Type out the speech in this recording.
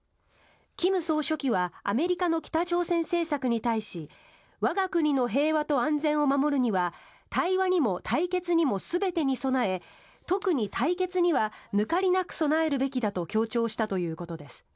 金総書記はアメリカの北朝鮮政策に対し我が国の平和と安全を守るには対話にも対決にも全てに備え特に対決には抜かりなく備えるべきだと強調したということです。